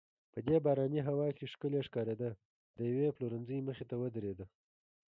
په دې باراني هوا کې ښکلې ښکارېده، د یوې پلورنځۍ مخې ته ودریدو.